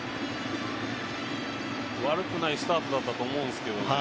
悪くないスタートだったと思うんですけどね。